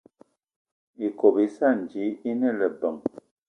Ikob íssana ji íne lebeng.